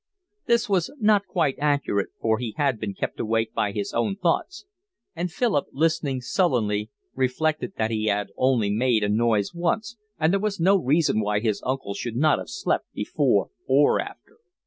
This was not quite accurate, for he had been kept awake by his own thoughts; and Philip, listening sullenly, reflected that he had only made a noise once, and there was no reason why his uncle should not have slept before or after.